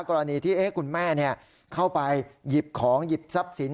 กรณีที่คุณแม่เข้าไปหยิบของหยิบทรัพย์สิน